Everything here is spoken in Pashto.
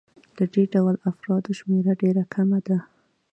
د دې ډول افرادو شمېره ډېره کمه ده